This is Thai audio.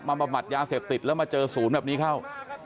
บำบัดยาเสพติดแล้วมาเจอศูนย์แบบนี้เข้า